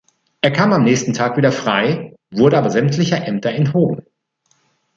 Er kam am nächsten Tag wieder frei, wurde aber sämtlicher Ämter enthoben.